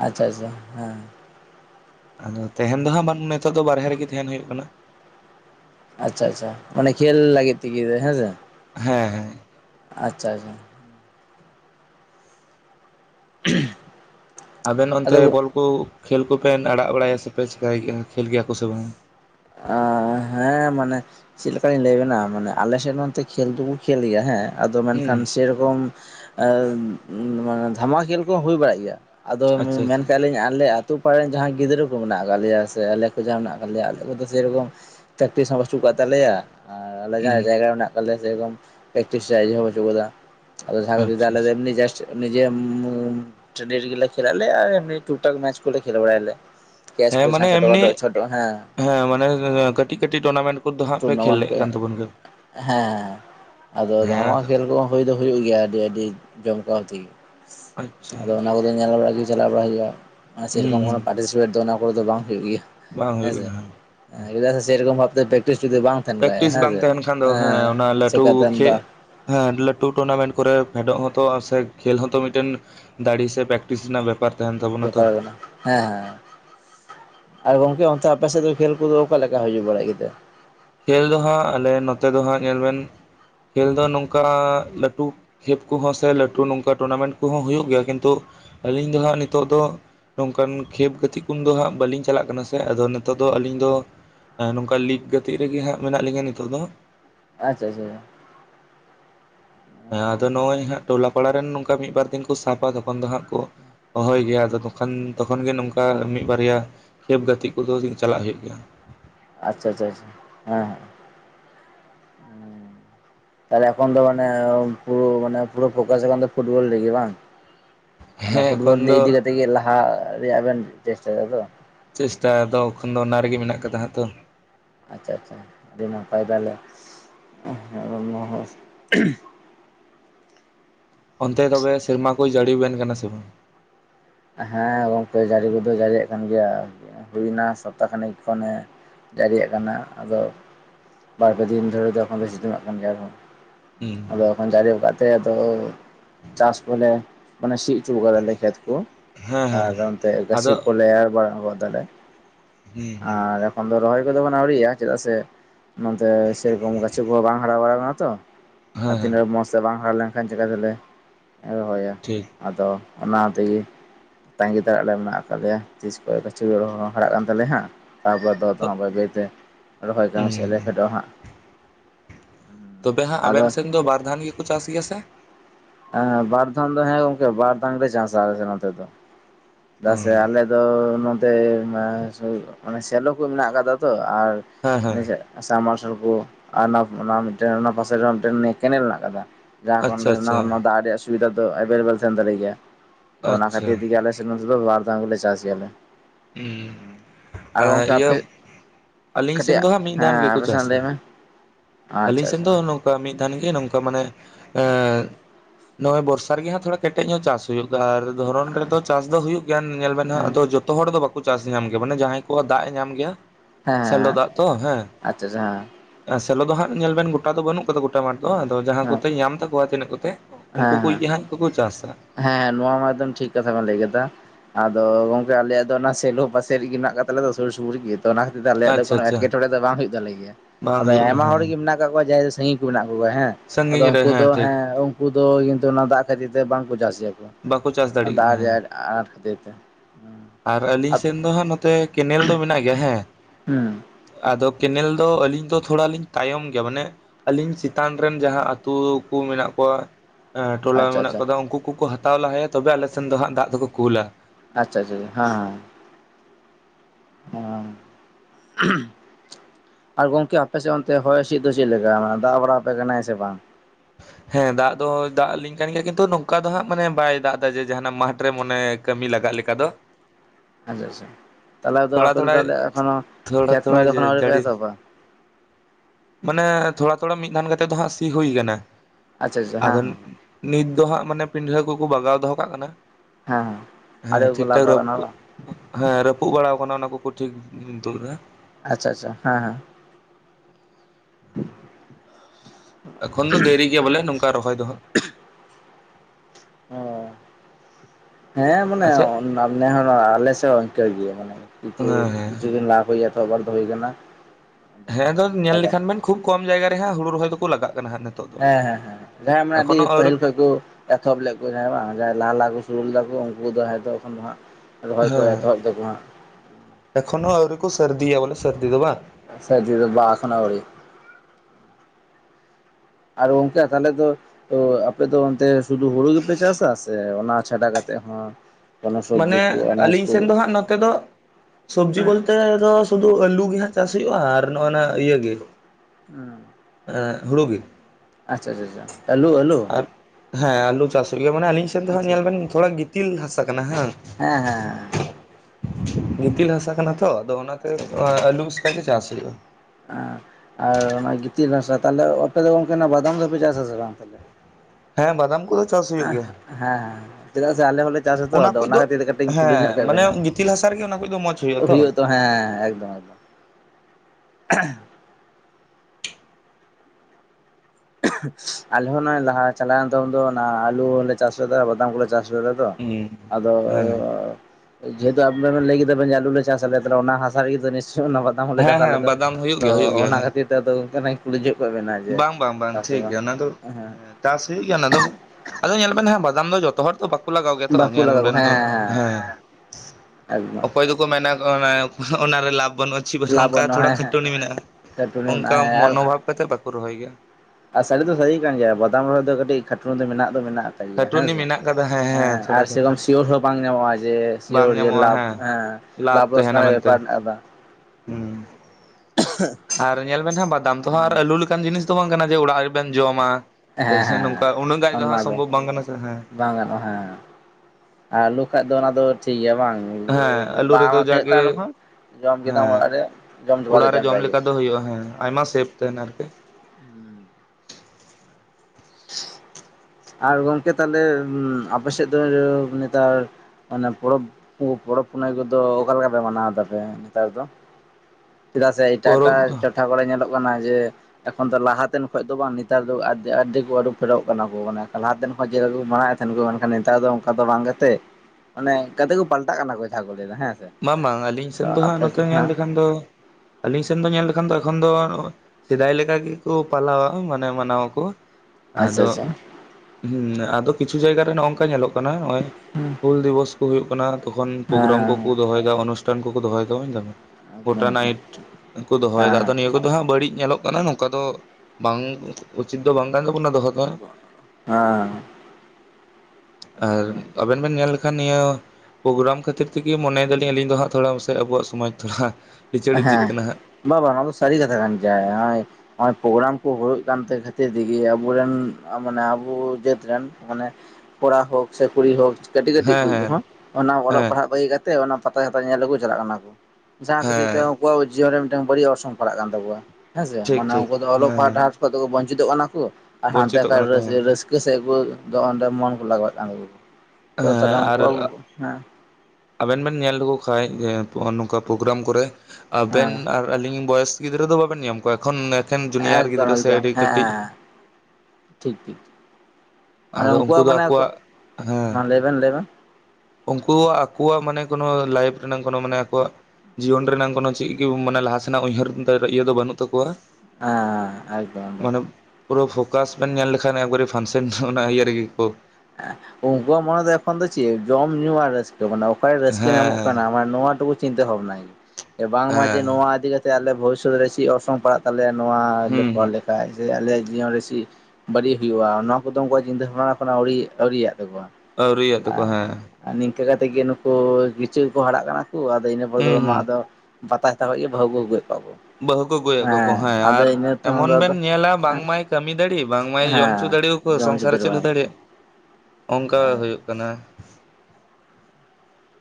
ᱟᱪᱪᱷᱟ ᱟᱪᱪᱷᱟ, ᱦᱮᱸ᱾ ᱟᱫᱚ ᱛᱟᱦᱮᱱ ᱫᱚᱦᱟᱸᱜ ᱵᱟᱝ ᱱᱤᱛᱚᱜ ᱫᱚ ᱵᱟᱨᱦᱮ ᱨᱮᱜᱮ ᱛᱟᱦᱮᱱ ᱦᱩᱭᱩᱜ ᱠᱟᱱᱟ᱾ ᱟᱪᱪᱷᱟ ᱟᱪᱪᱷᱟ ᱢᱟᱱᱮ ᱠᱷᱮᱞ ᱞᱟᱹᱜᱤᱫ ᱛᱮᱜᱮ ᱦᱮᱸᱥᱮ ᱦᱮᱸ ᱦᱮᱸ ᱟᱪᱪᱷᱟ ᱟᱪᱪᱷᱟ [unintelligible] ᱟᱵᱮᱱ ᱚᱱᱛᱮ ᱟᱫᱚ ᱵᱚᱞ ᱠᱚ ᱠᱷᱮᱞ ᱠᱚᱯᱮᱱ ᱟᱲᱟᱜ ᱵᱟᱲᱟᱭᱟ ᱥᱮᱯᱮ ᱪᱮᱤᱠᱟᱹᱭ ᱜᱮᱭᱟ ᱠᱷᱮᱞ ᱜᱮᱭᱟ ᱠᱚ ᱥᱮ ᱵᱟᱝ ᱟᱸ ᱦᱮᱸ ᱢᱟᱱᱮ ᱪᱮᱫ ᱞᱮᱠᱟᱞᱤᱧ ᱞᱟᱹᱭᱵᱮᱱᱟ ᱢᱟᱱᱮ ᱟᱞᱮᱮᱥᱮᱫ ᱱᱚᱱᱛᱮ ᱠᱷᱮᱞ ᱫᱚᱠᱚ ᱠᱷᱮᱞ ᱜᱮᱭᱟ ᱦᱮᱸ ᱟᱫᱚ ᱦᱩᱸ ᱢᱮᱱᱠᱷᱟᱱ ᱥᱮᱨᱚᱠᱚᱢ ᱫᱷᱟᱢᱟ ᱠᱷᱮᱞ ᱠᱚᱦᱚᱸ ᱦᱩᱭ ᱵᱟᱲᱟᱜ ᱜᱮᱭᱟ ᱟᱫᱚ ᱟᱪᱪᱷᱟ ᱢᱮᱱ ᱟᱪᱪᱷᱟ ᱠᱮᱣᱟ ᱞᱤᱧ ᱟᱞᱮ ᱟ ᱟᱛᱳ ᱯᱟᱲᱟ ᱨᱮᱱ ᱡᱟᱦᱟᱸᱭ ᱜᱤᱫᱽᱨᱟᱹ ᱠᱚ ᱢᱮᱱᱟᱜ ᱟᱠᱟᱫ ᱞᱮᱭᱟ ᱥᱮ ᱟᱞᱮ ᱠᱚ ᱡᱟᱦᱟᱸ ᱢᱮᱱᱟᱜ ᱟᱠᱟᱫ ᱞᱮᱭᱟ ᱟᱞᱮ ᱠᱚᱫᱚ- ᱥᱮᱨᱚᱠᱚᱢ ᱯᱮᱠᱴᱤᱥ ᱦᱚᱸ ᱵᱟᱪᱩᱜ ᱟᱠᱟᱫ ᱛᱟᱞᱮᱭᱟ ᱟᱨ ᱟᱞᱮ ᱡᱟᱦᱟᱸ ᱦᱩᱸ ᱡᱟᱭᱜᱟ ᱨᱮ ᱢᱮᱱᱟᱜ ᱛᱟᱦᱞᱮ ᱥᱮ ᱨᱚᱠᱚᱡ ᱯᱮᱠᱴᱤᱥ ᱨᱮᱭᱟᱜ ᱮᱡ ᱦᱚᱸ ᱵᱟᱪᱩᱜ ᱟᱠᱟᱫᱟ ᱟᱫᱚ [unintelligible] ᱟᱪᱪᱷᱟ ᱟᱪᱪᱷᱟ [unintelligible] ᱱᱤᱡᱮ ᱴᱟᱸᱰᱤ ᱨᱮ ᱜᱮ ᱞᱮ ᱠᱷᱮᱞ ᱟᱞᱮ ᱟᱨ ᱮᱢᱱᱤ ᱴᱩᱠ ᱴᱟᱠ ᱢᱮᱪ ᱠᱚᱞᱮ ᱡᱷᱮᱞ ᱵᱟᱲᱟᱭᱟᱞᱮ ᱠᱮᱥ ᱦᱮᱸ ᱠᱚ ᱢᱟᱱᱮ ᱡᱟᱦᱟᱸ ᱪᱷᱳᱴᱳ ᱮᱢᱱᱤ ᱠᱷᱟᱴᱳ ᱪᱷᱳᱴᱳ ᱦᱮᱸ ᱢᱟᱱᱮ ᱠᱟᱹᱴᱤᱡ ᱠᱟᱹᱴᱤᱡ ᱴᱩᱨᱱᱟᱢᱮᱱᱴ ᱠᱚᱫᱚ ᱦᱟᱸᱜ ᱯᱮ ᱠᱷᱮᱞ ᱴᱩᱨᱱᱟᱢᱮᱱᱴ ᱞᱮᱫ ᱠᱚ ᱠᱟᱱ ᱛᱟᱵᱚᱱ ᱜᱮᱭᱟ ᱦᱮᱸ ᱟᱫᱚ ᱦᱮᱸ ᱫᱷᱟᱢᱟ ᱟᱫᱚ ᱠᱷᱮᱞ ᱠᱚ ᱦᱩᱭ ᱫᱚ ᱦᱩᱭᱩᱜ ᱜᱮᱭᱟ ᱟᱹᱰᱤ ᱟᱹᱰᱤ ᱡᱚᱢᱠᱟᱣ ᱛᱮᱜᱮ ᱟᱪᱪᱷᱟ ᱟᱫᱚ ᱚᱱᱟ ᱠᱚ ᱧᱮᱞ ᱵᱟᱲᱟ ᱜᱮ ᱪᱟᱞᱟᱣ ᱵᱟᱲᱟ ᱦᱩᱭᱩᱜ-ᱟ ᱚᱱᱟ ᱦᱩᱸ ᱥᱮᱨᱚᱠᱚᱢ ᱦᱩᱸ ᱠᱚᱱᱳ ᱯᱟᱴᱤᱥᱤᱯᱮᱴ ᱫᱚ ᱚᱱᱟ ᱠᱚᱨᱮ ᱫᱚ ᱵᱟᱝ ᱦᱩᱭᱩᱜ ᱜᱮᱭᱟ ᱵᱟᱝ ᱦᱩᱭᱩᱜ-ᱟ ᱮ ᱪᱮᱫᱟᱜ ᱥᱮᱨᱚᱠᱚᱢ ᱵᱷᱟᱵᱛᱮ ᱯᱮᱠᱴᱤᱥ ᱡᱩᱫᱤ ᱵᱟᱝ ᱛᱟᱦᱮᱱ ᱠᱷᱟᱡ ᱯᱨᱮᱠᱴᱤᱥ ᱵᱟᱝ ᱦᱮᱸᱥᱮ ᱛᱟᱦᱮᱱ ᱠᱷᱟᱱ ᱫᱚ ᱦᱮᱸ ᱚᱱᱟ ᱞᱟᱹᱴᱩ ᱪᱤᱠᱟᱛᱮᱢ ᱠᱷᱮ ᱫᱚ ᱦᱮᱸ ᱞᱟᱹᱴᱩ ᱴᱩᱨᱱᱟᱢᱮᱱᱴ ᱠᱚᱨᱮ ᱯᱷᱮᱰᱚᱜ ᱦᱚᱸᱛᱚ ᱥᱮ ᱠᱷᱮᱞ ᱦᱚᱸᱛᱚ ᱢᱤᱫᱴᱮᱱ ᱫᱟᱲᱮ ᱥᱮ ᱯᱨᱮᱠᱴᱤᱥ ᱨᱮᱱᱟᱜ ᱵᱮᱯᱟᱨ ᱛᱟᱦᱮᱱ ᱛᱟᱵᱚᱱᱟ ᱛᱚ ᱵᱮᱯᱟᱨ ᱠᱟᱱᱟ ᱦᱮᱸ ᱦᱮᱸ ᱟᱨ ᱜᱚᱝᱠᱮ ᱚᱱᱛᱮ ᱟᱯᱮ ᱥᱮᱫ ᱫᱚ ᱠᱷᱮᱞ ᱠᱚᱫᱚ ᱚᱱᱠᱟ ᱞᱮᱠᱟ ᱦᱤᱡᱩᱜ ᱵᱟᱲᱟᱜ ᱜᱮᱛᱮ ᱠᱷᱮᱞ ᱫᱚ ᱦᱟᱸᱜ ᱟᱞᱮ ᱱᱚᱛᱮ ᱫᱚ ᱦᱟᱸᱜ ᱧᱮᱞ ᱵᱮᱱ ᱠᱷᱮᱞ ᱫᱚ ᱱᱚᱝᱠᱟ ᱞᱟᱹᱴᱩ ᱠᱷᱮᱯ ᱠᱚᱦᱚᱸ ᱥᱮ ᱞᱟᱹᱴᱩ ᱱᱚᱝᱠᱟ ᱴᱩᱨᱱᱟᱢᱮᱱᱴ ᱠᱚᱦᱚᱸ ᱦᱩᱭᱩᱜ ᱜᱮᱭᱟ ᱠᱤᱱᱛᱩ ᱟᱹᱞᱤᱧ ᱫᱚ ᱦᱟᱸᱜ ᱱᱤᱛᱚᱜ ᱫᱚ ᱱᱚᱝᱠᱟᱱ ᱠᱷᱮᱯ ᱜᱟᱛᱮᱜ ᱠᱚ ᱫᱚ ᱦᱟᱸᱜ ᱵᱟᱹᱞᱤᱧ ᱪᱟᱞᱟᱜ ᱠᱟᱱᱟ ᱥᱮ ᱟᱫᱚ ᱱᱤᱛᱚᱜ ᱫᱚ ᱟᱹᱞᱤᱧ ᱫᱚ ᱮᱸ ᱱᱚᱝᱠᱟ ᱞᱤᱜᱽ ᱜᱟᱛᱮᱜ ᱨᱮᱜᱮ ᱦᱟᱸᱜ ᱢᱮᱱᱟᱜ ᱞᱤᱧᱟᱹ ᱱᱤᱛᱚᱜ ᱫᱚ ᱟᱪᱪᱷᱟ ᱟᱪᱷᱟ ᱦᱮᱸ ᱟᱫᱚ ᱱᱚᱜᱼᱚᱭ ᱦᱟᱸᱜ ᱴᱚᱞᱟ ᱯᱟᱲᱟᱨᱮᱱ ᱱᱚᱝᱠᱟ ᱢᱤᱫᱵᱟᱨ ᱫᱤᱱ ᱠᱚ ᱥᱟᱵᱟ ᱛᱚᱠᱷᱚᱱ ᱫᱚ ᱦᱟᱸᱜ ᱠᱚ ᱦᱚᱭ ᱜᱮ ᱟᱫᱚ ᱛᱠᱷᱟᱱ ᱛᱚᱠᱷᱚᱱ ᱜᱮ ᱱᱚᱝᱠᱟ ᱢᱤᱫ ᱵᱟᱨᱭᱟ ᱠᱷᱮᱯ ᱜᱟᱛᱮᱜ ᱠᱚᱫᱚ ᱫᱤᱱ ᱪᱟᱞᱟᱜ ᱦᱩᱭᱩᱜ ᱜᱮᱭᱟ ᱟᱪᱪᱷᱟ ᱟᱪᱪᱷᱟ ᱟᱪᱪᱷᱟ ᱦᱮᱸ ᱦᱮᱸ [inaudible] ᱛᱟᱦᱚᱞᱮ ᱮᱠᱷᱚᱱ ᱫᱚ ᱢᱟᱱᱮ ᱯᱩᱨᱟᱹ ᱢᱟᱱᱮ ᱯᱩᱨᱟᱹ ᱯᱷᱳᱠᱟᱥ ᱮᱠᱷᱚᱱ ᱫᱚ ᱯᱷᱩᱴᱵᱚᱞ ᱨᱮᱜᱮ ᱵᱟᱝ ᱚᱱᱟ ᱦᱮᱸ ᱮᱠᱷᱚᱱ ᱯᱷᱩᱴᱵᱚᱞ ᱱᱤᱭ ᱫᱚ ᱤᱫᱤ ᱠᱟᱛᱮ ᱜᱮ ᱞᱟᱦᱟ ᱨᱮᱭᱟᱜ ᱵᱤᱱ ᱪᱮᱥᱴᱟ ᱭᱮᱫᱟ ᱛᱚ ᱪᱮᱥᱴᱟ ᱫᱚ ᱮᱠᱷᱚᱱ ᱫᱚ ᱚᱱᱟ ᱨᱮᱜᱮ ᱢᱮᱱᱟᱜ ᱟᱠᱟᱫᱟ ᱦᱟᱸᱜ ᱛᱚ᱾ ᱟᱪᱪᱷᱟ ᱟᱪᱪᱷᱟ ᱟᱹᱰᱤ ᱱᱟᱯᱟᱭ ᱛᱟᱦᱞᱮ [unintelligible] ᱚᱱᱛᱮ ᱛᱚᱵᱮ ᱥᱮᱨᱢᱟ ᱠᱚ ᱡᱟᱹᱲᱤ ᱟᱵᱮᱱ ᱠᱟᱱᱟ ᱥᱮ ᱵᱟᱝ ᱦᱮᱸ ᱜᱚᱢᱠᱮ ᱡᱟᱲᱤ ᱠᱚᱫᱚᱭ ᱡᱟᱲᱤ ᱭᱮᱫ ᱠᱟᱱ ᱜᱮᱭᱟ ᱦᱩᱭᱱᱟ ᱥᱚᱯᱛᱟ ᱠᱷᱟᱱᱤᱠ ᱠᱷᱚᱱᱮ᱾ ᱡᱟᱲᱤ ᱭᱟᱜ ᱠᱟᱱᱟ ᱟᱫᱚ ᱵᱟᱨᱯᱮ ᱫᱤᱱ ᱫᱷᱚᱨᱮ ᱫᱚ ᱮᱠᱷᱚᱱ ᱫᱚ ᱥᱤᱛᱩᱝ ᱟᱜ ᱠᱟᱱ ᱜᱮᱭᱟ ᱟᱨᱦᱚᱸ ᱦᱩᱸ ᱟᱫᱚ ᱮᱠᱷᱚᱱ ᱡᱟᱲᱤ ᱟᱠᱟᱫ ᱛᱮ ᱟᱫᱚ ᱪᱟᱥ ᱠᱚᱞᱮ ᱢᱟᱱᱮ ᱥᱤ ᱚᱪᱚ ᱟᱠᱟ ᱫᱟᱞᱮ ᱠᱷᱮᱛ ᱠᱚ ᱦᱮᱸ ᱦᱮᱸ ᱟᱨ ᱚᱱᱛᱮ ᱟᱫᱚ ᱜᱟᱹᱪᱷᱤ ᱠᱚᱞᱮ ᱮᱨ ᱵᱟᱲᱟ ᱟᱠᱟ ᱫᱟᱞᱮ ᱦᱩᱸ ᱟᱨ ᱮᱠᱷᱚᱱ ᱫᱚ ᱨᱚᱦᱚᱭ ᱠᱚᱫᱚ ᱵᱚᱱ ᱟᱹᱣᱨᱤᱭᱟᱜ-ᱟ ᱪᱮᱫᱟᱜ ᱥᱮ ᱱᱚᱱᱛᱮ ᱥᱮᱨᱚᱠᱚᱢ ᱜᱟᱪᱷᱩ ᱠᱚᱦᱚᱸ ᱵᱟᱝ ᱦᱟᱨᱟ ᱵᱟᱲᱟ ᱟᱠᱟᱱᱟ ᱛᱚ ᱟᱨ ᱦᱮᱸ ᱦᱮᱸ ᱛᱤᱱᱟᱹᱜ ᱢᱚᱡᱽ ᱛᱮ ᱵᱟᱝ ᱦᱟᱨᱟ ᱞᱮᱱᱠᱷᱟᱱ ᱪᱮᱠᱟ ᱛᱮᱞᱮ ᱨᱚᱦᱚᱭᱟ ᱴᱷᱤᱠ ᱟᱫᱚ ᱚᱱᱟ ᱛᱮᱜᱮ ᱛᱟᱺᱜᱤ ᱛᱟᱲᱟᱜ ᱞᱮ ᱢᱮᱱᱟᱜ ᱟᱠᱟᱫ ᱞᱮᱭᱟ ᱛᱤᱥ ᱠᱚ ᱜᱟᱪᱷᱤ ᱦᱳᱲᱳ ᱦᱚᱸ ᱦᱟᱨᱟᱜ ᱠᱟᱱ ᱛᱟᱞᱮᱭᱟ ᱦᱟᱸᱜ ᱛᱟᱨᱯᱚᱨ ᱫᱚ ᱛᱮᱦᱚᱸ ᱵᱟᱹᱭ ᱵᱟᱹᱭ ᱛᱮ ᱨᱚᱦᱚᱭ ᱠᱟᱹᱢᱤ ᱥᱮᱫ ᱞᱮ ᱦᱩᱸ ᱯᱷᱮᱰᱚᱜᱼᱟ ᱦᱟᱸᱜ ᱛᱚᱵᱮ ᱦᱟᱸᱜ ᱟᱫᱚ ᱟᱵᱮᱱ ᱥᱮᱱ ᱫᱚ ᱵᱟᱨ ᱫᱷᱟᱣ ᱜᱮᱠᱚ ᱪᱟᱥ ᱜᱮᱭᱟ ᱥᱮ ᱵᱟᱨ ᱫᱷᱟᱣ ᱫᱚ ᱦᱮᱸ ᱜᱚᱝᱠᱮ ᱵᱟᱨ ᱫᱷᱟᱱ ᱞᱮ ᱪᱟᱥᱟ ᱟᱞᱮ ᱥᱮᱱ ᱱᱚᱛᱮ ᱫᱚ ᱪᱮᱫᱟᱜ ᱥᱮ ᱦᱮᱸ ᱟᱞᱮ ᱫᱚ ᱱᱚᱛᱮ ᱥᱮᱞᱚ ᱠᱚ ᱢᱮᱱᱟᱜ ᱟᱠᱟᱫᱟ ᱛᱚ ᱟᱨ ᱦᱮᱸ [unintelligible] ᱥᱟᱢᱢᱟᱨᱥᱟᱞ ᱠᱚ ᱟᱨ ᱚᱱᱟᱢᱤᱴᱮᱱ ᱚᱱᱟ ᱯᱟᱥᱮ ᱨᱮᱦᱚᱸ ᱢᱤᱫᱴᱮᱱ ᱠᱮᱱᱮᱞ ᱦᱮᱱᱟᱜ ᱟᱠᱟᱫᱟ ᱡᱟᱦᱟᱸ ᱟᱪᱪᱷᱟ ᱠᱚ ᱟᱪᱪᱷᱟ ᱫᱟᱜ ᱨᱮᱭᱟᱜ ᱥᱩᱵᱤᱫᱟ ᱫᱚ ᱮᱵᱮᱞᱮᱵᱮᱞ ᱛᱟᱦᱮᱱ ᱛᱟᱞᱮ ᱜᱮᱭᱟ ᱚᱱᱟ ᱟᱪᱪᱷᱟ ᱠᱷᱟᱹᱛᱤᱨᱜᱮ ᱟᱞᱮ ᱱᱮᱥ ᱫᱚ ᱵᱟᱨ ᱫᱷᱟᱣ ᱜᱮᱞᱮ ᱪᱟᱥ ᱜᱮᱭᱟᱞᱮ ᱩᱸᱦᱩ ᱟᱨ ᱜᱚᱝᱠᱮ ᱤᱭᱟᱹ ᱟᱯᱮ ᱟᱹᱞᱤᱧ ᱥᱮᱱ ᱠᱟᱹᱴᱤᱡ ᱫᱚ ᱦᱟᱸᱜ ᱢᱤᱫ ᱦᱮᱸ ᱵᱟᱨ ᱜᱮᱠᱚ ᱟᱯᱮ ᱥᱮᱱᱟᱜ ᱪᱟᱥᱟ ᱞᱟᱹᱭ ᱢᱮ ᱟᱹᱞᱤᱧ ᱟᱪᱪᱷᱟ ᱥᱮᱱ ᱟᱪᱪᱷᱟ ᱫᱚ ᱱᱚᱠᱟ ᱢᱤᱫ ᱫᱷᱟᱣ ᱜᱮ ᱱᱚᱝᱠᱟ ᱢᱟᱱᱮ ᱮ ᱱᱚᱜᱼᱚᱭ ᱵᱚᱨᱥᱟ ᱨᱮᱜᱮ ᱛᱷᱚᱲᱟ ᱠᱮᱴᱮᱡ ᱧᱚᱜ ᱪᱟᱥ ᱦᱩᱭᱩᱜᱼᱟ ᱟᱨ ᱫᱷᱚᱨᱚᱱ ᱨᱮᱫᱚ ᱪᱟᱥ ᱫᱚ ᱦᱩᱭᱩᱜ ᱜᱮᱭᱟ ᱧᱮᱞ ᱵᱮᱱᱦᱟᱜ ᱟ ᱦᱮᱸ ᱟᱫᱚ ᱡᱚᱛᱚ ᱦᱚᱲ ᱫᱚ ᱵᱟᱠᱚ ᱪᱟᱥ ᱧᱟᱢ ᱜᱮᱭᱟ ᱢᱟᱱᱮ ᱡᱟᱦᱟᱸᱭ ᱠᱚᱣᱟᱜ ᱫᱟᱜ ᱮ ᱧᱟᱢ ᱜᱮᱭᱟ ᱥᱮᱞᱚ ᱦᱮᱸ ᱫᱟᱜ ᱛᱚ ᱦᱮᱸ ᱟᱪᱪᱷᱟ ᱟᱪᱪᱷᱟ ᱥᱮᱞᱚ ᱫᱚ ᱦᱟᱸᱜ ᱧᱮᱞ ᱵᱮᱱ ᱜᱚᱴᱟ ᱫᱚ ᱵᱟᱹᱱᱩᱜ ᱠᱟᱫᱟ ᱜᱚᱴᱟ ᱢᱟᱴᱷ ᱫᱚ ᱟᱫᱚ ᱡᱟᱦᱟᱸ ᱦᱮᱸ ᱠᱚᱛᱮ ᱧᱟᱢ ᱛᱟᱠᱚᱣᱟ ᱛᱤᱱᱟᱹᱜ ᱠᱚᱛᱮ ᱩᱱᱠᱩ ᱠᱚᱠᱚ [unintelligible] ᱦᱟᱸ ᱠᱚ ᱪᱟᱥᱟ ᱦᱮᱸᱮᱸ ᱱᱚᱣᱟ ᱢᱟ ᱮᱠᱫᱚᱢ ᱴᱷᱤᱠ ᱠᱟᱛᱷᱟ ᱵᱮᱱ ᱞᱟᱹᱭ ᱠᱮᱫᱟ ᱟᱫᱚ ᱜᱚᱝᱠᱮ ᱟᱞᱮᱭᱟᱜ ᱫᱚ ᱚᱱᱟ ᱥᱮᱞᱚ ᱯᱟᱥᱮ ᱨᱮᱜᱮ ᱢᱮᱱᱟᱜ ᱟᱠᱟᱫ ᱛᱟᱞᱮ ᱫᱚ ᱥᱩᱨ ᱥᱩᱯᱩᱨᱜᱮ ᱛᱚ ᱚᱱᱟ ᱠᱷᱟᱹᱛᱤᱨ ᱛᱮ ᱟᱞᱮᱭᱟᱜ ᱫᱚ ᱟᱪᱪᱷᱟ ᱠᱚᱱᱚ ᱟᱪᱪᱷᱟ ᱮᱴᱠᱮᱴᱚᱬᱮ ᱫᱚ ᱵᱟᱝ ᱦᱩᱭᱩᱜ ᱛᱟᱞᱮ ᱜᱮᱭᱟ ᱵᱟᱝ ᱟᱫᱚ ᱦᱩᱭᱩᱜ ᱟᱭᱢᱟ ᱦᱮᱸ ᱦᱚᱲ ᱜᱮ ᱢᱮᱱᱟᱜ ᱠᱚᱣᱟ ᱡᱟᱦᱟᱸᱭ ᱫᱚ ᱥᱟᱺᱜᱤᱧ ᱠᱚ ᱢᱮᱱᱟᱜ ᱠᱚᱣᱟ ᱦᱮᱸ ᱟᱫᱚ ᱥᱟᱺᱜᱤᱧ ᱨᱮ ᱩᱱᱠᱩ ᱫᱚ ᱴᱷᱤᱠ ᱦᱮᱸ ᱩᱱᱠᱩ ᱫᱚ ᱠᱤᱱᱛᱩ ᱚᱱᱟ ᱫᱟᱜ ᱠᱷᱟᱹᱛᱤᱨ ᱛᱮ ᱵᱟᱝ ᱠᱚ ᱪᱟᱥ ᱜᱮᱭᱟ ᱠᱚ ᱵᱟᱠᱚ ᱪᱟᱥ ᱚᱱᱟ ᱫᱟᱲᱮᱭᱟᱜ ᱠᱟᱱᱟ ᱫᱟᱜ ᱦᱮᱸ ᱨᱮᱭᱟᱜ ᱟᱱᱟᱴ ᱠᱷᱟᱹᱛᱤᱨ ᱛᱮ ᱟᱨ ᱟᱹᱞᱤᱧ ᱥᱮᱱ ᱫᱚ ᱦᱟᱸᱜ ᱱᱚᱛᱮ ᱠᱮᱱᱮᱞ ᱫᱚ ᱢᱮᱱᱟᱜ ᱜᱮᱭᱟ ᱦᱮᱸ ᱦᱮᱸ ᱟᱫᱚ ᱠᱮᱱᱮᱞ ᱫᱚ ᱟᱹᱞᱤᱧ ᱫᱚ ᱛᱷᱚᱲᱟ ᱞᱤᱧ ᱛᱟᱭᱚᱢ ᱜᱮᱭᱟ ᱢᱟᱱᱮ ᱟᱹᱞᱤᱧ ᱪᱮᱛᱟᱱ ᱨᱮᱱ ᱡᱟᱦᱟᱸ ᱟᱹᱛᱩ ᱠᱚ ᱢᱮᱱᱟᱜ ᱠᱚᱣᱟ ᱴᱚᱞᱟ ᱟᱪᱪᱷᱟ ᱢᱮᱱᱟᱜ ᱟᱪᱪᱷᱟ ᱟᱠᱟᱫᱟ ᱩᱱᱠᱩ ᱠᱚᱠᱚ ᱦᱟᱛᱟᱣ ᱞᱟᱦᱟᱭᱟ ᱛᱚᱵᱮ ᱟᱞᱮᱥᱮᱱ ᱫᱚ ᱦᱟᱸᱜ ᱫᱟᱜ ᱫᱚᱠᱚ ᱠᱩᱞᱟ ᱟᱪᱪᱷᱟ ᱟᱪᱪᱷᱟ ᱦᱮᱸ ᱦᱮᱸ ᱟᱨ ᱜᱚᱝᱠᱮ ᱟᱯᱮᱥᱮᱫ ᱚᱱᱛᱮ ᱦᱚᱭ ᱦᱤᱸᱥᱤᱫ ᱫᱚ ᱪᱮᱫ ᱞᱮᱠᱟ ᱫᱟᱜ ᱵᱟᱲᱟ ᱟᱯᱮ ᱠᱟᱱᱟᱭ ᱥᱮ ᱵᱟᱝ ᱦᱮᱸ ᱫᱟᱜ ᱫᱚ ᱫᱟᱜ ᱟᱞᱤᱧ ᱠᱟᱱ ᱜᱮᱭᱟ ᱠᱤᱱᱛᱩ ᱱᱚᱝᱠᱟ ᱫᱚ ᱦᱟᱸᱜ ᱢᱟᱱᱮ ᱵᱟᱭ ᱫᱟᱜ ᱮᱫᱟ ᱡᱮ ᱡᱟᱦᱟᱱᱟᱜ ᱢᱟᱴᱷ ᱨᱮ ᱢᱟᱱᱮ ᱠᱟᱹᱢᱤ ᱞᱟᱜᱟᱜ ᱞᱮᱠᱟ ᱫᱚ ᱟᱪᱪᱷᱟ ᱟᱪᱪᱷᱟ ᱛᱟᱦᱚᱞᱮ ᱟᱫᱚ ᱛᱷᱚᱲᱟ ᱟᱯᱮ ᱫᱚ ᱛᱷᱚᱲᱟ ᱛᱟᱦᱮᱞᱮ ᱮᱠᱷᱚᱱᱳ ᱛᱷᱚᱲᱟ ᱠᱷᱮᱛ ᱛᱷᱚᱲᱟ ᱠᱟᱢᱤ ᱫᱚ ᱮᱠᱷᱚᱱᱚ ᱟᱹᱣᱨᱤ ᱯᱮ ᱡᱟᱹᱲᱤ ᱮᱛᱚᱦᱚᱵ-ᱟ ᱢᱟᱱᱮ ᱛᱷᱚᱲᱟ ᱛᱷᱚᱲᱟ ᱢᱤᱫ ᱫᱷᱟᱣ ᱠᱟᱛᱮᱜ ᱫᱚ ᱦᱟᱸᱜ ᱥᱤ ᱦᱩᱭ ᱠᱟᱱᱟ ᱟᱪᱪᱷᱟ ᱟᱪᱪᱷᱟ ᱟᱫᱚ ᱦᱮᱸ ᱦᱮᱸ ᱱᱤᱛ ᱫᱚ ᱦᱟᱸᱜ ᱢᱟᱱᱮ ᱯᱤᱸᱰᱷᱟᱹ ᱠᱚᱠᱚ ᱵᱟᱜᱟᱣ ᱫᱚᱦᱚ ᱠᱟᱜ ᱠᱟᱱᱟ ᱦᱮᱸ ᱦᱮᱸ ᱟᱹᱣᱨᱤ ᱯᱮ ᱴᱷᱤᱠ ᱴᱷᱟᱠ ᱞᱟᱫᱷᱚᱜᱼᱟ ᱨᱳᱜᱽ ᱚᱱᱟ ᱵᱟᱝ ᱦᱮᱸ ᱨᱟᱹᱯᱩᱫ ᱵᱟᱲᱟᱣ ᱠᱟᱱᱟ ᱚᱱᱟ ᱠᱚᱠᱚ ᱴᱷᱤᱠ ᱛᱩᱜ ᱮᱫᱟ ᱟᱪᱪᱷᱟ ᱟᱪᱪᱷᱟ ᱦᱮᱸ ᱦᱮᱸ ᱤᱧ ᱦᱚ ᱦᱟᱜ ᱮᱠᱷᱚᱱ ᱫᱚ ᱫᱮᱨᱤ ᱜᱮᱭᱟ ᱵᱚᱞᱮ ᱱᱚᱝᱠᱟ ᱨᱚᱦᱚᱭ ᱫᱚ ᱦᱟᱜ ᱦᱚᱸ ᱦᱮᱸ ᱢᱟᱱᱮ ᱟᱪᱪᱷᱟ [unintelligible] ᱟᱞᱮᱥᱮᱫ ᱤᱱᱠᱟᱹ ᱜᱮ ᱢᱟᱱᱮ ᱠᱤᱪᱷᱩ ᱦᱮᱸ ᱦᱮᱸ ᱠᱤᱪᱷᱩ ᱫᱤᱱ ᱞᱟᱵᱷ ᱦᱩᱭᱩᱜ ᱜᱮᱭᱟ ᱛᱚ ᱚᱨᱫᱷᱮᱠ ᱫᱚ ᱦᱩᱭ ᱟᱠᱟᱱᱟ ᱦᱮᱸ ᱧᱮᱞ ᱞᱮᱠᱷᱟᱱ ᱵᱮᱱ ᱠᱷᱩᱵ ᱠᱚᱢ ᱡᱟᱭᱜᱟ ᱨᱮ ᱦᱟᱸᱜ ᱦᱩᱲᱩ ᱨᱚᱦᱚᱭ ᱫᱚᱠᱚ ᱞᱟᱜᱟᱜ ᱠᱟᱱᱟ ᱦᱟᱜ ᱦᱮᱸ ᱦᱮᱸ ᱦᱮᱸ ᱡᱟᱦᱟᱸᱭ ᱢᱟᱱᱮ ᱟᱹᱰᱤ ᱯᱟᱹᱦᱤᱞ ᱠᱷᱚᱱ ᱠᱚ ᱮᱛᱚᱦᱚᱵ ᱞᱮᱫ ᱠᱚᱣᱟ ᱡᱟᱦᱟᱸᱭ ᱵᱟᱝ ᱡᱟᱦᱟᱸᱭ ᱞᱟᱦᱟ ᱞᱟᱦᱟ ᱠᱚ ᱥᱩᱨᱩ ᱞᱮᱫᱟ ᱠᱚ ᱩᱱᱠᱩ ᱫᱚ ᱦᱚᱭᱛᱚ ᱮᱠᱷᱚᱱ ᱫᱚ ᱦᱟᱸᱜ ᱨᱚᱦᱚᱭ ᱠᱚ ᱦᱮᱸ ᱮᱛᱚᱦᱚᱵ ᱛᱟᱠᱩᱣᱟ ᱮᱠᱷᱚᱱᱳ ᱟᱣᱨᱤ ᱠᱚ ᱥᱟᱹᱨᱫᱤᱭᱟ ᱵᱚᱞᱮ ᱥᱟᱨᱫᱤ ᱫᱚ ᱵᱟᱝ [unintelligible] ᱵᱟᱝ ᱮᱠᱷᱚᱱᱚ ᱟᱣᱨᱤ [unintelligible] ᱟᱨ ᱜᱚᱝᱠᱮ ᱛᱟᱦᱚᱞᱮ ᱫᱚ ᱛᱚ ᱟᱯᱮ ᱫᱚ ᱚᱱᱛᱮ ᱥᱩᱫᱩ ᱦᱩᱲᱩ ᱜᱮᱯᱮ ᱪᱟᱥᱟ ᱥᱮ ᱚᱱᱟ ᱪᱷᱟᱰᱟ ᱠᱟᱛᱮᱮᱫ ᱦᱚᱸ ᱠᱳᱱᱳ ᱢᱟᱱᱮ ᱥᱚᱵᱽᱡᱤ ᱠᱚ ᱟᱱᱟᱡ ᱟᱹᱞᱤᱧ ᱥᱮᱱ ᱠᱚ ᱫᱚ ᱦᱟᱸᱜ ᱱᱚᱛᱮ ᱫᱚ ᱥᱚᱵᱽᱡᱤ ᱵᱚᱞᱛᱮ ᱱᱚᱛᱮᱫᱚ ᱥᱩᱫᱩ ᱟᱹᱞᱩ ᱜᱮ ᱦᱟᱜ ᱪᱟᱥ ᱦᱩᱭᱩᱜᱼᱟ ᱟᱨ ᱱᱚ ᱚᱭ ᱱᱟ ᱤᱭᱟᱹ ᱜᱮ ᱦᱩᱸ ᱮ ᱦᱩᱲᱩᱩ ᱜᱮ ᱟᱪᱪᱷᱟ ᱟᱪᱪᱷᱟ ᱟᱪᱪᱷᱟ ᱟᱹᱞᱩ ᱟᱹᱞᱩ ᱟᱨ ᱦᱮᱸ ᱟᱞᱩ ᱪᱟᱥ ᱦᱩᱭᱩᱜᱭᱟ ᱢᱟᱱᱮ ᱟᱞᱤᱧ ᱥᱮᱱ ᱫᱚᱦ ᱟᱪᱪᱷᱟ ᱧᱮᱞ ᱵᱮᱱ ᱛᱷᱚᱲᱟ ᱛᱤᱞ ᱦᱟᱥᱟ ᱠᱟᱱᱟ ᱦᱟᱜ ᱦᱮᱸ ᱦᱮᱸ ᱜᱤᱛᱤᱞ ᱦᱟᱥᱟ ᱠᱟᱱᱟ ᱛᱚ ᱟᱫᱚ ᱚᱱᱟᱛᱮ ᱟᱪᱪᱷᱟ ᱟᱹᱞᱩᱥᱠ ᱜᱮ ᱪᱟᱥ ᱦᱩᱭᱩᱜᱼᱟ ᱟᱨ ᱚᱱᱟ ᱜᱤᱛᱤᱞ ᱱᱟᱥᱟ ᱛᱟᱦᱮ ᱟᱯᱮ ᱫᱚ ᱜᱚᱝᱠᱮ ᱵᱟᱫᱟᱢ ᱫᱚᱯᱮ ᱪᱟᱥ ᱟᱥᱮ ᱵᱟᱝ ᱛᱟᱦᱞᱮ ᱦᱮᱸ ᱵᱟᱫᱟᱢ ᱠᱚ ᱦᱮᱸ ᱦᱮᱸ ᱪᱮᱫᱟᱜ ᱥᱮ ᱟᱞᱮ ᱦᱚᱸᱞᱮ ᱪᱟᱥᱟᱛᱚ ᱟᱫᱚ ᱠᱚ ᱚᱱᱟ ᱫᱚ ᱠᱷᱟᱹᱛᱤᱨ ᱠᱟᱹᱴᱤᱡ ᱠᱩᱞᱤ ᱧᱚᱜ ᱦᱮᱸ ᱠᱮᱫ ᱢᱟᱱᱮ ᱵᱮᱱᱟ ᱜᱤᱛᱤᱞ ᱦᱟᱥᱟ ᱨᱮᱜᱮ ᱚᱱᱟ ᱠᱚ ᱫᱚ ᱢᱚᱸᱡᱽ ᱦᱩᱭᱩᱜᱼᱟ ᱦᱩᱭᱩᱜ ᱛᱚ ᱦᱮᱸ ᱮᱠᱫᱚᱢ ᱮᱠᱫᱚᱢ ᱟᱞᱮ ᱦᱚᱸ ᱱᱚᱜᱼᱚᱭ ᱞᱟᱦᱟ ᱪᱟᱞᱟᱣᱮᱱ ᱛᱚᱱ ᱫᱚ ᱚᱱᱟ ᱟᱞᱩ ᱦᱚᱞᱮ ᱪᱟᱥ ᱞᱮᱫᱟ ᱵᱟᱫᱟᱢ ᱠᱚᱞᱮ ᱪᱟᱥ ᱞᱮᱫᱟ ᱛᱚ ᱩᱸ ᱟᱫᱚ ᱡᱮᱦᱮᱛᱩ ᱟᱵᱮᱱ ᱞᱟᱹᱭ ᱠᱮᱫᱟ ᱵᱮᱱ ᱟᱞᱩ ᱞᱮ ᱪᱟᱥᱼᱟ ᱚᱱᱟ ᱦᱟᱥᱟ ᱨᱮᱜᱮ ᱱᱤᱪᱚᱭ ᱵᱟᱫᱟᱢ ᱦᱚᱸᱞᱮ ᱦᱮᱸ ᱪᱟᱥ ᱦᱮᱸ ᱟᱞᱮ ᱫᱚ ᱵᱟᱫᱟᱢ ᱦᱩᱭᱩᱜ ᱛᱚ ᱜᱮᱭᱟ ᱦᱩᱭᱩᱜ ᱜᱮᱭᱟ ᱚᱱᱟ ᱦᱮᱸ ᱠᱷᱟᱹᱛᱤᱨ ᱛᱮ ᱟᱫᱚ ᱜᱚᱝᱠᱮ ᱠᱩᱞᱤ ᱡᱚᱜ ᱠᱮᱫ ᱢᱮᱱᱟ ᱡᱮ ᱵᱟᱝ ᱵᱟᱝ ᱵᱟᱝ ᱪᱟᱥ ᱥᱮ ᱴᱷᱤᱠ ᱵᱟᱝ ᱜᱮᱭᱟ ᱚᱱᱟ ᱫᱚ ᱦᱮᱸ ᱪᱟᱥ ᱦᱩᱭᱩᱜ ᱜᱮᱭᱟ ᱚᱱᱟ ᱫᱚ ᱟᱫᱚ ᱧᱮᱞ ᱵᱮᱱ ᱦᱟᱜ ᱵᱟᱫᱟᱢ ᱫᱚ ᱡᱚᱛᱚ ᱦᱚᱲ ᱫᱚ ᱞᱟᱜᱟᱣ ᱜᱮᱭᱟ ᱛᱚ ᱵᱟᱠᱚ ᱧᱮᱞ ᱞᱟᱜᱟᱣ ᱵᱮᱱ ᱦᱮᱸ ᱦᱮᱸ ᱦᱮᱸ ᱮᱠᱫᱚᱢ ᱚᱠᱚᱭ ᱫᱚ ᱢᱮ ᱟᱠᱚ ᱚᱱᱟᱨᱮ ᱞᱟᱵᱷ ᱵᱟᱹᱱᱩᱜᱼᱟ ᱪᱷᱤ ᱞᱟᱵᱷ ᱚᱱᱠᱟ ᱵᱟᱹᱱᱩᱜᱼᱟ ᱛᱷᱚᱲᱟ ᱦᱮᱸ ᱦᱮᱸ ᱠᱷᱟᱴᱟᱹᱱᱤ ᱢᱮᱱᱟᱜᱼᱟ ᱠᱷᱟᱹᱴᱩᱱᱤ ᱢᱮᱱᱟᱜᱼᱟ ᱚᱱᱠᱟ ᱦᱮᱸ ᱟᱨ ᱢᱚᱱᱚ ᱵᱷᱟᱵ ᱠᱟᱛᱮᱛ ᱵᱟᱠᱚ ᱨᱚᱦᱚᱭ ᱜᱮᱭᱟ ᱟᱨ ᱥᱟᱹᱨᱤ ᱫᱚ ᱥᱟᱹᱨᱤ ᱠᱟᱱ ᱜᱮᱭᱟ ᱵᱟᱫᱟᱢ ᱨᱮ ᱫᱚ ᱠᱟᱹᱴᱤᱡ ᱠᱷᱟᱴᱱᱤ ᱫᱚ ᱢᱮᱱᱟᱜ ᱫᱚ ᱢᱮᱱᱟᱜ ᱦᱮᱸ ᱠᱷᱟᱹᱴᱩᱱᱤ ᱥᱮ ᱢᱮᱱᱟᱜ ᱠᱟᱫᱟ ᱦᱮᱸ ᱦᱮᱸ ᱛᱷᱚᱲᱟ ᱟᱨ ᱥᱮᱨᱚᱢ ᱠᱷᱟᱹᱴᱩᱱᱤ ᱥᱤᱭᱳᱨ ᱦᱚᱸ ᱵᱟᱝ ᱧᱟᱢᱚᱜᱼᱟ ᱡᱮ ᱵᱟᱝ ᱥᱤᱭᱳᱨ ᱡᱮ ᱧᱟᱢᱚᱜᱼᱟ ᱞᱟᱵᱷ ᱦᱮᱸ ᱞᱟᱵᱷ ᱛᱟᱦᱮᱱᱟ ᱞᱚᱥᱠᱟᱱ ᱵᱮᱯᱟᱨ ᱢᱮᱱᱛᱮ ᱢᱮᱱᱟᱜᱼᱟ ᱫᱚ ᱦᱩᱸ [unintelligible] ᱟᱨ ᱧᱮᱞ ᱵᱮᱱ ᱦᱟᱜ ᱵᱟᱫᱟᱢ ᱛᱚᱦᱟᱜ ᱟᱨ ᱟᱞᱩ ᱞᱮᱠᱟᱱ ᱡᱤᱱᱤᱥ ᱫᱚ ᱵᱟᱝ ᱠᱟᱱᱟ ᱡᱮ ᱚᱲᱟᱜ ᱨᱮᱵᱱ ᱡᱚᱢᱟ ᱦᱮᱸ ᱥᱮ ᱱᱚᱝᱠᱟ ᱦᱮᱸ ᱩᱱᱟᱹᱜ ᱜᱟᱱ ᱫᱚ ᱚᱱᱟ ᱦᱟᱜ ᱥᱚᱢᱵᱷᱚᱵᱽ ᱵᱟᱝ ᱠᱟᱱᱟ ᱥᱮ ᱦᱮᱸ ᱵᱟᱝ ᱜᱟᱱᱚᱜᱼᱟ ᱦᱮᱸ ᱟᱨ ᱟᱞᱩ ᱠᱷᱟᱱ ᱫᱚ ᱚᱱᱟ ᱫᱚ ᱴᱷᱤᱠ ᱜᱮᱭᱟ ᱵᱟᱝ ᱦᱮᱸ ᱟᱞᱩ ᱵᱟᱢ ᱨᱮᱫᱚ ᱟᱹᱠᱷᱨᱤᱧᱮᱫ ᱡᱟᱜᱮ ᱛᱟᱢ ᱨᱮᱦᱚᱸ ᱡᱚᱢ ᱠᱮᱫᱟᱢ ᱦᱮᱸ ᱚᱲᱟᱜ ᱨᱮ ᱡᱚᱢ ᱪᱟᱵᱟ ᱚᱲᱟᱜ ᱨᱮ ᱫᱟᱲᱮᱭᱟᱜ ᱟᱢ ᱡᱚᱢ ᱡᱟᱜᱮ ᱞᱮᱠᱟ ᱫᱚ ᱦᱩᱭᱩᱜᱼᱟ ᱦᱮᱸ ᱟᱭᱢᱟ ᱥᱮᱯ ᱛᱟᱦᱮᱱᱟ ᱟᱨᱠᱤ ᱟᱨ ᱜᱚᱝᱠᱮ ᱛᱟᱦᱞᱮ ᱟᱯᱮ ᱥᱮᱫ ᱫᱚ ᱱᱮᱛᱟᱨ ᱢᱟᱱᱮ ᱯᱚᱨᱚᱵᱽ ᱯᱚᱨᱚᱵᱽ ᱯᱩᱱᱟᱹᱭ ᱠᱚᱫᱚ ᱚᱠᱟ ᱞᱮᱠᱟ ᱯᱮ ᱢᱟᱱᱟᱣ ᱫᱟᱯᱮ ᱱᱮᱛᱟᱨ ᱫᱚ ᱪᱮᱫᱟᱜ ᱥᱮ ᱮᱴᱟᱜ ᱯᱚᱨᱚᱵᱽ ᱮᱴᱟᱜ ᱫᱚ ᱴᱚᱴᱷᱟ ᱠᱚᱨᱮ ᱧᱮᱞᱚᱜ ᱠᱟᱱᱟ ᱡᱮ ᱮᱠᱷᱚᱱ ᱫᱚ ᱞᱟᱦᱟᱛᱮᱱ ᱠᱷᱚᱱ ᱫᱚ ᱵᱟᱝ ᱱᱮᱛᱟᱨ ᱫᱚ ᱟᱹᱰᱤ ᱠᱚ ᱟᱹᱨᱩ ᱯᱷᱮᱨᱚᱜ ᱠᱟᱱᱟ ᱢᱟᱱᱮ ᱞᱟᱦᱟ ᱛᱮᱱ ᱠᱷᱚᱱ ᱪᱮᱞᱮᱠᱟ ᱠᱚ ᱢᱟᱱᱟᱣ ᱮᱫ ᱛᱟᱦᱮᱱ ᱠᱚ ᱢᱮᱱᱠᱷᱟᱱ ᱱᱮᱛᱟᱨ ᱫᱚ ᱚᱱᱠᱟ ᱫᱚ ᱵᱟᱝ ᱜᱟᱛᱮᱜ ᱟᱱᱮ ᱜᱟᱛᱮ ᱠᱚ ᱯᱟᱞᱴᱟᱜ ᱠᱟᱱᱟ ᱠᱚ ᱡᱟᱦᱟᱸ ᱠᱚ ᱞᱟᱹᱭᱫᱟ ᱦᱮᱸ ᱥᱮ ᱵᱟᱝ ᱵᱟᱝ ᱟᱹᱞᱤᱧ ᱛᱚ ᱥᱮᱱ ᱫᱚ ᱦᱟᱸᱜ ᱟᱯᱮ ᱱᱚᱛᱮ ᱥᱮᱫ ᱧᱮᱞ ᱦᱮᱸ ᱞᱮᱠᱷᱟᱱ ᱫᱚ ᱟᱞᱤᱧ ᱥᱮᱱ ᱫᱚ ᱧᱮᱞ ᱞᱮᱠᱷᱟᱱ ᱫᱚ ᱮᱠᱷᱚᱱ ᱫᱚ ᱥᱮᱫᱟᱭ ᱞᱮᱠᱟ ᱜᱮᱠᱚ ᱯᱟᱞᱟᱣᱟ ᱢᱟᱱᱮ ᱢᱟᱱᱟᱣᱟ ᱠᱚ ᱟᱪᱪᱷᱟ ᱟᱫᱚ ᱟᱪᱪᱷᱟ ᱦᱮᱸ ᱦᱩ ᱟᱫᱚ ᱠᱤᱪᱷᱩ ᱡᱟᱭᱜᱟᱨᱮ ᱱᱚᱜᱝᱠᱟ ᱧᱮᱞᱚᱜ ᱠᱟᱱᱟ ᱱᱚᱜ ᱚᱭ ᱦᱩᱞ ᱫᱤᱵᱚᱥ ᱦᱩᱭᱩᱜ ᱠᱟᱱᱟ ᱛᱚᱠᱷᱚᱱ ᱦᱮᱸ ᱯᱨᱳᱜᱨᱟᱢ ᱦᱮᱸ ᱠᱚᱠᱚ ᱫᱚᱦᱚᱭᱮᱫᱟ ᱚᱱᱩᱥᱴᱷᱟᱱ ᱠᱚᱠᱚ ᱫᱚᱦᱚᱭᱮᱫᱟ ᱵᱩᱡ ᱫᱟᱵᱮᱱ ᱮᱠᱫᱚᱢ ᱜᱚᱴᱟ ᱮᱠᱫᱚᱢ ᱱᱟᱭᱤᱴ ᱠᱚ ᱫᱚᱦᱚᱭᱮ ᱦᱮᱸ ᱫᱟ ᱟᱫᱚ ᱱᱤᱭᱟᱹ ᱠᱚᱫᱚ ᱦᱟᱸᱜ ᱵᱟᱹᱲᱤᱡ ᱧᱮᱞᱚᱜ ᱠᱟᱱᱟ ᱱᱚᱝᱠᱟ ᱫᱚ ᱵᱟᱝ ᱩᱪᱤᱛ ᱫᱚ ᱵᱟᱝ ᱠᱟᱱ ᱛᱟᱵᱚᱱᱟ ᱫᱚ ᱦᱮᱸ ᱦᱮᱸ ᱟᱨ ᱮᱠᱫᱚᱢ ᱟᱵᱮᱱ ᱵᱮᱱ ᱧᱮᱞ ᱞᱮᱠᱷᱟᱱ ᱱᱤᱭᱟᱹ ᱯᱨᱜᱨᱟᱢ ᱠᱷᱟᱹᱛᱤᱨ [inaudible] ᱢᱚᱱᱮᱭ ᱫᱟᱞᱤᱧ ᱟᱹᱞᱤᱧ ᱫᱚ ᱦᱟᱸᱜ ᱛᱷᱚᱲᱟ ᱥᱮ ᱟᱵᱚᱣᱟᱜ ᱥᱚᱢᱟᱡᱽ ᱛᱷᱚᱲᱟ ᱞᱤᱪᱟᱹᱲ ᱤᱫᱤᱜ ᱦᱮᱸ ᱠᱟᱱᱟ ᱦᱟᱸᱜ ᱵᱟ ᱵᱟ ᱱᱚᱶᱟ ᱫᱚ ᱥᱟᱨᱤ ᱠᱟᱛᱷᱟ ᱠᱟᱱ ᱜᱮᱭᱟ ᱟᱨ ᱯᱨᱳᱜᱨᱟᱢ ᱠᱚ ᱦᱩᱭᱩᱜ ᱠᱟᱱᱛᱮ ᱠᱷᱟᱹᱛᱤᱨ ᱛᱮᱜᱮ ᱟᱵᱚᱨᱮᱱ ᱢᱟᱱᱮ ᱟᱵᱚ ᱡᱟᱹᱛ ᱨᱮᱱ ᱢᱟᱱᱮ ᱠᱚᱲᱟ ᱦᱳᱠ ᱥᱮ ᱠᱩᱲᱤ ᱦᱳᱠ ᱠᱟᱹᱴᱤᱡ ᱠᱟᱹᱴᱤᱡ ᱦᱮᱸ ᱠᱚ ᱦᱮᱸ ᱦᱚᱸ ᱚᱱᱟ ᱦᱮᱸ ᱚᱞᱚᱜ ᱯᱟᱲᱦᱟᱜ ᱵᱟᱹᱜᱤ ᱠᱟᱛᱮᱜ ᱚᱱᱟ ᱯᱟᱛᱟ ᱪᱷᱟᱛᱟ ᱧᱮᱞ ᱜᱮᱠᱚ ᱪᱟᱞᱟᱜ ᱠᱟᱱᱟ ᱠᱚ ᱡᱟᱦᱟᱸ ᱠᱷᱟᱹᱛᱤᱨ ᱛᱮ ᱦᱮᱸ ᱩᱱᱠᱩᱣᱟᱜ ᱡᱤᱭᱚᱱ ᱨᱮ ᱢᱤᱫᱴᱟᱱ ᱵᱟᱹᱲᱤᱡ ᱚᱨᱥᱚᱝ ᱯᱟᱲᱟᱜ ᱠᱟᱱ ᱛᱟᱠᱚᱳᱣᱟ ᱦᱮᱸᱥᱮ ᱴᱷᱤᱠ ᱢᱟᱱᱮ ᱴᱷᱤᱠ ᱩᱱᱠᱩ ᱫᱚ ᱚᱞᱚᱜ ᱦᱮᱸ ᱦᱮᱸ ᱯᱟᱲᱦᱟᱜ ᱦᱟᱴ ᱠᱷᱚᱱ ᱫᱚᱠᱚ ᱵᱚᱧᱪᱤᱛᱚᱜ ᱠᱟᱱᱟ ᱠᱚ ᱟᱨ ᱦᱟᱱᱛᱮ ᱵᱚᱧᱪᱤᱛᱚᱜ ᱠᱟᱱᱟ ᱟᱠᱟᱨᱮ ᱠᱚ ᱦᱮᱸ ᱨᱟᱹᱥᱠᱟᱹ ᱪᱤᱠᱟᱹ ᱥᱮᱫ [inaudible] ᱚᱸᱰᱮ ᱢᱚᱱ ᱠᱚ ᱞᱟᱜᱟᱣᱮᱫ ᱠᱟᱱ ᱛᱟᱠᱚ ᱛᱚ ᱦᱮᱸ ᱛᱟᱦᱚᱞᱮ ᱟᱨ ᱩᱱᱠᱩ ᱦᱮᱸ ᱟᱵᱮᱱ ᱵᱮᱱ ᱧᱮᱞ ᱞᱮᱠᱚ ᱠᱷᱟᱱ ᱡᱮ ᱱᱚᱝᱠᱟ ᱯᱨᱳᱜᱨᱟᱢ ᱠᱚᱨᱮ ᱟᱵᱮᱱ ᱦᱮᱸ ᱟᱹᱞᱤᱧ ᱵᱚᱭᱮᱥ ᱜᱤᱫᱽᱨᱟᱹ ᱫᱚ ᱵᱟᱵᱮᱱ ᱧᱟᱢ ᱠᱚᱣᱟ ᱮᱠᱷᱚᱱ ᱮᱠᱷᱮᱱ ᱡᱩᱱᱤᱭᱟᱨ ᱮᱠᱫᱚᱢ ᱜᱤᱫᱽᱨᱟᱹ ᱥᱮ ᱮᱠᱫᱚᱢ ᱟᱹᱰᱤ ᱠᱟᱹᱴᱤᱡ ᱦᱮᱸ ᱴᱷᱤᱠ ᱴᱷᱤᱠ ᱢᱟᱱᱮ ᱟᱫᱚ ᱩᱱᱠᱩ ᱩᱱᱠᱩᱣᱟᱜ ᱫᱚ ᱢᱟᱱᱮ ᱟᱠᱚᱣᱟᱜ ᱦᱮᱸ ᱞᱟᱹᱭᱵᱮᱱ ᱞᱟᱹᱭᱵᱮᱱ ᱩᱱᱠᱩ ᱟᱠᱚᱣᱟᱜ ᱢᱟᱱᱮ ᱠᱚᱱᱚ ᱞᱟᱭᱤᱯᱷ ᱨᱮᱱᱟᱜ ᱠᱱᱚ ᱢᱟᱱᱮ ᱟᱠᱚᱣᱟᱜ ᱡᱤᱭᱚᱱ ᱨᱮ ᱨᱮᱱᱟᱜᱝ ᱠᱳᱱᱚ ᱪᱮᱫ ᱜᱮ ᱢᱟᱱᱮ ᱞᱟᱦᱟ ᱥᱮᱱᱟᱜ ᱩᱭᱦᱟᱹᱨ ᱤᱭᱟᱹ ᱫᱚ ᱵᱟᱹᱱᱩᱜ ᱛᱟᱠᱚᱣᱟ ᱦᱮ ᱟᱭᱛ ᱢᱟᱱᱮ ᱯᱩᱨᱟᱹ ᱯᱷᱳᱠᱟᱥ ᱵᱮᱱ ᱧᱮᱞ ᱞᱮᱠᱷᱟᱱ ᱮᱠᱵᱟᱨᱮ ᱯᱷᱟᱱᱥᱮᱱ ᱚᱱᱟ ᱤᱭᱟᱹ ᱨᱮᱜᱮ ᱠᱚ ᱩᱱᱠᱩᱣᱟᱜ ᱢᱚᱱᱮ ᱫᱚ ᱮᱠᱷᱚᱱ ᱫᱚ ᱪᱮᱫ ᱡᱚᱢ ᱧᱩᱣᱟᱨ ᱨᱟᱹᱥᱠᱟᱹ ᱢᱟᱱᱮ ᱚᱠᱟᱨᱮ ᱨᱟᱹᱥᱠᱟᱹ ᱧᱟᱢᱚᱜ ᱦᱮᱸ ᱠᱟᱱᱟ ᱱᱚᱣᱟ ᱴᱩᱠᱩ ᱪᱤᱱᱛᱟᱹ ᱵᱷᱟᱵᱱᱟᱭ ᱦᱮᱸ ᱵᱟᱝᱢᱟ ᱡᱮ ᱦᱮᱸ ᱱᱚᱣᱟ ᱤᱫᱤ ᱠᱟᱛᱮ ᱟᱞᱮ ᱵᱷᱚᱵᱤᱥᱚᱛ ᱨᱮ ᱪᱮᱫ ᱚᱨᱥᱚᱝ ᱯᱟᱲᱟᱜ᱾ ᱛᱟᱦᱚᱞᱮ ᱱᱚᱣᱟ ᱞᱮ ᱦᱩᱸ ᱦᱩᱸ ᱠᱚᱣᱟᱞᱮ ᱡᱮ ᱟᱞᱮᱭᱟᱜ ᱡᱤᱭᱚᱱ ᱨᱮᱥᱤ ᱵᱟᱹᱲᱤᱡ ᱦᱩᱭᱩᱜᱼᱟ ᱱᱚᱣᱟ ᱠᱚᱫᱚ ᱩᱱᱠᱩᱣᱟᱜ ᱪᱤᱱᱛᱟᱹ ᱵᱷᱟᱵᱽᱱᱟ ᱠᱚᱱᱟ ᱟᱣᱨᱤ ᱟᱹᱣᱨᱤᱭᱟᱜ ᱛᱟᱠᱚᱣᱟ ᱟᱹᱣᱨᱤᱭᱮᱫ ᱛᱟᱠᱚ ᱦᱮᱸ ᱱᱤᱝᱠᱟᱹ ᱠᱟᱛᱮᱫ ᱜᱮ ᱱᱩᱠᱩ ᱜᱤᱪᱟᱹᱠᱚ ᱦᱟᱨᱟᱜ ᱠᱟᱱᱟ ᱠᱚ ᱟᱫᱚ ᱤᱱᱟᱹ ᱯᱚᱨ ᱫᱚ ᱦᱩᱸ ᱢᱟ ᱦᱩᱸ ᱟᱫᱚ ᱵᱟᱛᱟ ᱦᱟᱛᱟ ᱠᱷᱚᱱ ᱜᱮ ᱵᱟᱹᱩ ᱠᱚ ᱟᱹᱜᱩᱭᱮᱫ ᱠᱚᱣᱟ ᱠᱚ ᱵᱟᱹᱦᱩ ᱠᱚ ᱟᱹ ᱜᱩᱭᱮᱫ ᱠᱚᱣᱟ ᱠᱚ ᱦᱮᱸ ᱟᱫᱚ ᱟᱨ ᱤᱱᱟᱹ ᱛᱮᱦᱚᱸ ᱮᱢᱚᱱ ᱟᱫᱚ ᱵᱮᱱ ᱧᱮᱞᱟ ᱦᱮᱸ ᱵᱟᱝᱢᱟᱭ ᱠᱟᱹᱢᱤ ᱫᱟᱲᱮᱜ ᱵᱟᱝᱢᱟᱭ ᱡᱚᱢ ᱦᱚᱪᱚ ᱦᱮᱸ ᱫᱟᱲᱮ ᱟᱠᱚᱣᱟ ᱡᱚᱢ ᱦᱚᱪᱚ ᱥᱚᱝᱥᱟᱨᱮ ᱪᱟᱹᱞᱩ ᱫᱚᱨᱠᱟᱨ ᱫᱟᱲᱮᱭᱟᱜ ᱚᱱᱠᱟ ᱟᱨ ᱦᱩᱭᱩᱜ ᱠᱟᱱᱟ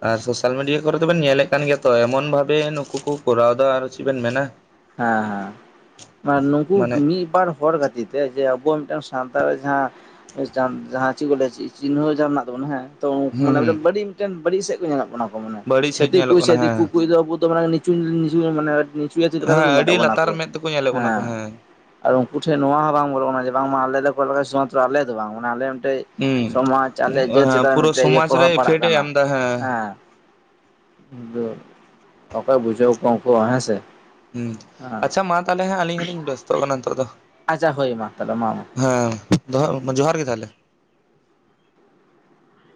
ᱟᱨ ᱥᱳᱥᱟᱞ ᱢᱤᱰᱤᱭᱟ ᱠᱚᱨᱮ ᱫᱚᱵᱮᱱ ᱧᱮᱞᱮᱫ ᱠᱟᱱ ᱜᱮᱭᱟ ᱛᱚ ᱮᱢᱚᱱ ᱵᱷᱟᱵᱮ ᱱᱩᱠᱩ ᱠᱚ ᱠᱚᱨᱟᱣ ᱮᱫᱟ ᱟᱨᱚ ᱪᱮᱫ ᱵᱮᱱ ᱢᱮᱱᱟ᱾ ᱦᱮᱸ ᱦᱮᱸ ᱱᱩᱠᱩ ᱢᱟᱱᱮ ᱢᱤᱫ ᱵᱟᱨ ᱦᱚᱲ ᱠᱟᱛᱤᱨ ᱛᱮ ᱡᱮ ᱟᱵᱚ ᱢᱤᱫᱴᱟᱝ ᱥᱟᱱᱛᱟᱲ ᱨᱮ ᱡᱟᱦᱟᱸ ᱪᱮᱫ ᱠᱚ ᱞᱟᱹᱭᱟ ᱪᱤᱱᱦᱟᱹ ᱡᱟᱸᱦᱟ ᱢᱮᱱᱟᱜ ᱛᱟᱵᱚᱱᱟ ᱦᱮᱸ ᱦᱩᱸ ᱛᱚᱢᱟᱱᱮ ᱦᱩᱸ ᱢᱤᱡᱴᱮᱱ ᱵᱟᱹᱲᱤᱡ ᱥᱮᱫ ᱠᱚ ᱧᱮᱞᱚᱜ ᱠᱟᱱᱟ ᱠᱚ ᱢᱟᱱᱮ ᱵᱟᱹᱲᱤᱡ ᱥᱮᱫ ᱪᱷᱟᱹᱛᱤᱠ ᱧᱮᱞᱚᱜ ᱠᱩᱭ ᱥᱮ ᱠᱟᱱᱟ ᱦᱮᱸ ᱫᱤᱠᱩ ᱠᱩᱭ ᱟᱵᱚ ᱫᱚ ᱢᱟᱱᱮ ᱤᱪᱩ ᱢᱟᱱᱮ ᱱᱤᱪᱩᱭᱟ ᱪᱮᱫ ᱦᱮᱸ ᱞᱮᱠᱟᱠᱚ ᱧᱮᱞᱮᱥ ᱟᱹᱰᱤ ᱵᱚᱱᱟ ᱞᱟᱛᱟᱨ ᱠᱚ ᱢᱮᱫ ᱛᱮᱠᱚ ᱧᱮᱞᱮᱫ ᱵᱚᱱᱟ ᱠᱚ ᱦᱮᱸ᱾ ᱟᱨ ᱩᱱᱠᱩ ᱴᱷᱮᱱ ᱱᱚᱣᱟ ᱦᱚᱸ ᱵᱟᱝ ᱵᱚᱞᱚᱜ ᱠᱟᱱᱟ ᱡᱮ ᱵᱟᱝᱢᱟ ᱟᱞᱮ ᱞᱮ ᱠᱚᱭ ᱞᱮᱡ ᱥᱩᱢᱟᱛᱨᱚ ᱟᱞᱮ ᱫᱚ ᱵᱟᱝ ᱢᱟᱱᱮ ᱟᱞᱮ ᱢᱤᱫᱴᱮᱡ ᱦᱩᱸ ᱥᱚᱢᱟᱡ ᱟᱞᱮ ᱡᱟᱹᱛ ᱦᱮᱸ ᱪᱮᱛᱟᱱ ᱨᱮ ᱯᱩᱨᱟᱹ ᱢᱤᱫᱴᱮᱱ ᱥᱚᱢᱟᱡᱽ ᱯᱨᱚᱵᱷᱟᱵᱽ ᱨᱮ ᱯᱟᱲᱟᱜ ᱤᱯᱷᱮᱠᱴ ᱮ ᱠᱟᱱᱟ ᱮᱢ ᱮᱫᱟ ᱦᱮᱸ ᱫᱚ ᱚᱠᱚᱭ ᱵᱩᱡᱷᱟᱹᱣ ᱠᱚᱣᱟ ᱩᱱᱠᱩ ᱦᱚ ᱦᱮᱸ ᱥᱮ ᱦᱸ ᱦᱮᱸ ᱟᱪᱪᱷᱟ ᱢᱟ ᱛᱟᱦᱚᱞᱮ ᱦᱟᱸᱜ ᱟᱹᱞᱤᱧ ᱦᱚᱞᱤᱧ ᱵᱮᱥᱛᱚᱜ ᱠᱟᱱᱟ ᱱᱤᱛᱚᱜ ᱫᱚ ᱟᱪᱪᱷᱟ ᱦᱳᱭ ᱢᱟ ᱛᱟᱦᱚᱞᱮ ᱢᱟ ᱦᱮᱸ ᱢᱟ ᱫᱚᱦᱚᱭ ᱡᱚᱦᱟᱨ ᱜᱮ ᱛᱟᱦᱞᱮ᱾